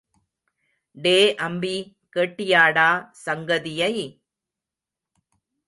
டே அம்பி கேட்டியாடா சங்கதியை!